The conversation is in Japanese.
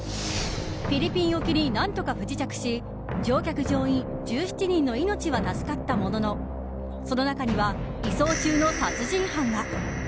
フィリピン沖に何とか不時着し乗客・乗員１７人の命は助かったもののその中には、移送中の殺人犯が。